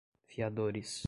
fiadores